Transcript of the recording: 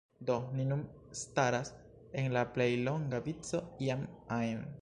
Do, ni nun staras en la plej longa vico iam ajn